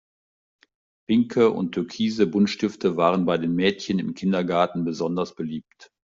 Pinke und türkise Buntstifte waren bei den Mädchen im Kindergarten besonders beliebt.